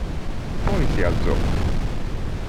Poi si alzò.